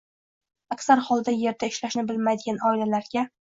Aksar holatda yerda ishlashni bilmaydigan oilalarga